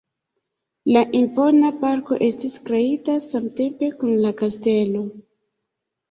La impona parko estis kreita samtempe kun la kastelo.